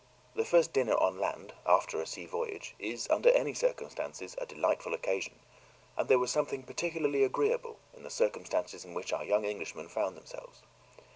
The first dinner on land, after a sea voyage, is, under any circumstances, a delightful occasion, and there was something particularly agreeable in the circumstances in which our young Englishmen found themselves.